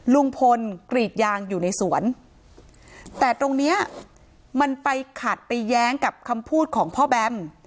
ลุงพลกรีดยางอยู่ในสวนแต่ตรงเนี้ยมันไปขัดไปแย้งกับคำพูดของพ่อแบม